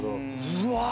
うわ！